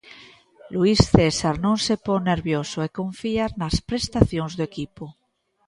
Luís Cesar non se pon nervioso e confía nas prestacións do equipo.